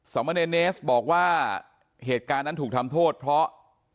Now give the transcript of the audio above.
สมเนรเนสบอกว่าเหตุการณ์นั้นถูกทำโทษเพราะ